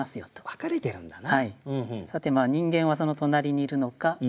分かれてるんだな。